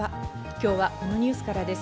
今日はこのニュースからです。